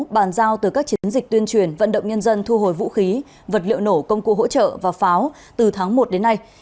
bàn giao từ các chiến dịch tuyên truyền vận động nhân dân thu hồi vũ khí vật liệu nổ công cụ hỗ trợ và pháo từ tháng một đến nay